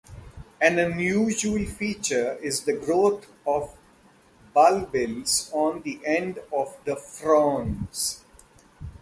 An unusual feature is the growth of bulbils on end of the fronds.